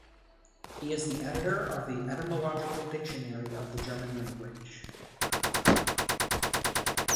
He is the editor of the "Etymological Dictionary of the German Language".